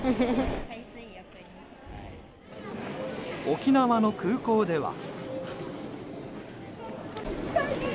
沖縄の空港では。